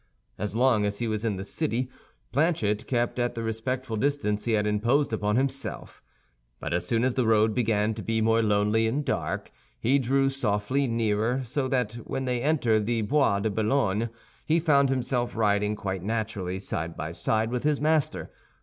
As long as he was in the city, Planchet kept at the respectful distance he had imposed upon himself; but as soon as the road began to be more lonely and dark, he drew softly nearer, so that when they entered the Bois de Boulogne he found himself riding quite naturally side by side with his master.